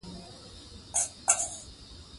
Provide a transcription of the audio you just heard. سیلانی ځایونه د افغانستان د زرغونتیا نښه ده.